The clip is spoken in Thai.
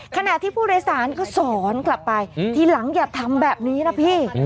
ขณะที่ผู้โดยสารก็สอนกลับไปทีหลังอย่าทำแบบนี้นะพี่